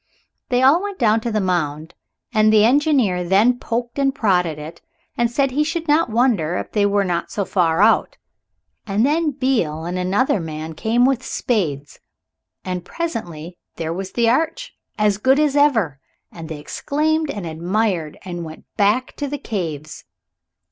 Then they all went down to the mound, and the engineer then poked and prodded it and said he should not wonder if they were not so far out. And then Beale and another man came with spades, and presently there was the arch, as good as ever, and they exclaimed and admired and went back to the caves.